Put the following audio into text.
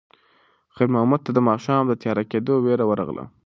خیر محمد ته د ماښام د تیاره کېدو وېره ورغله.